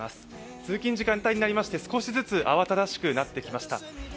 通勤時間帯になりまして、少しずつ慌ただしくなってきました。